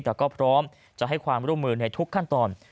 แต่ก็พร้อมจะให้ความร่วมมือในทุกขั้นตอน